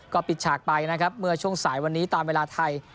ก็ปิดฉากไปนะครับเมื่อช่วงสายวันนี้ตามเวลาไทย